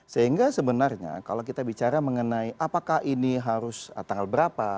sehingga sebenarnya kalau kita bicara mengenai apakah ini harus tanggal berapa